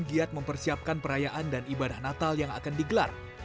giat mempersiapkan perayaan dan ibadah natal yang akan digelar